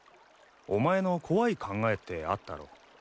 お前の怖い考えってあったろ。